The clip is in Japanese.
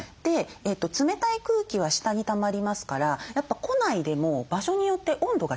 冷たい空気は下にたまりますからやっぱ庫内でも場所によって温度が違うんですよ。